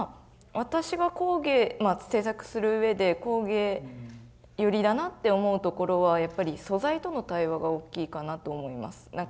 私が工芸制作するうえで工芸寄りだなって思うところはやっぱり素材との対話がおっきいかなと思います。